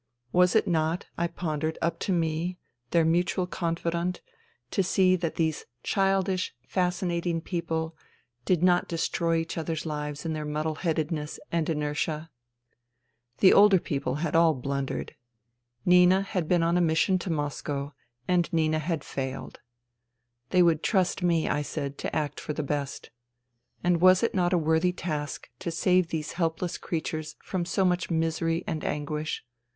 Was it not, I pondered, up to me, their mutual confidant, to see that these childish, fascinating people did not destroy 64 FUTILITY each other's hves in their muddle headedness and inertia ? The older people had all blundered. Nina had been on a mission to Moscow, and Nina had failed. They would trust me, I said, to act for the best. And was it not a worthy task to save these helpless creatures from so much misery and anguish